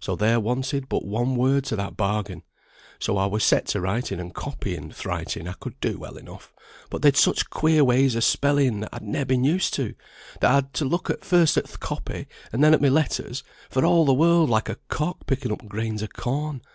So there wanted but one word to that bargain. So I were set to writing and copying; th' writing I could do well enough, but they'd such queer ways o' spelling that I'd ne'er been used to, that I'd to look first at th' copy and then at my letters, for all the world like a cock picking up grains o' corn.